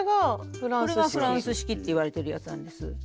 フランス式っていわれてるやつなんです。